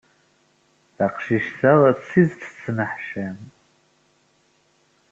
Taqcict-a d tidet tettneḥcam.